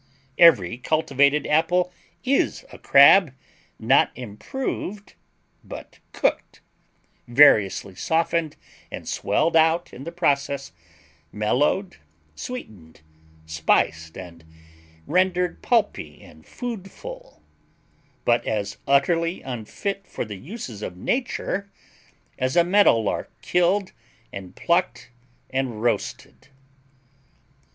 Every cultivated apple is a crab, not improved, but cooked, variously softened and swelled out in the process, mellowed, sweetened, spiced, and rendered pulpy and foodful, but as utterly unfit for the uses of nature as a meadowlark killed and plucked and roasted.